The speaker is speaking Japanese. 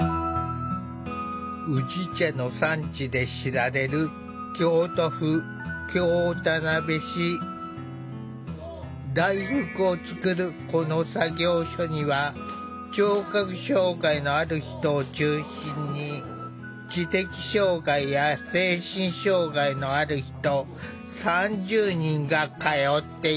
宇治茶の産地で知られる大福を作るこの作業所には聴覚障害のある人を中心に知的障害や精神障害のある人３０人が通っている。